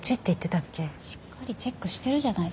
しっかりチェックしてるじゃないですか。